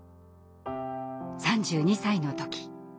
３２歳の時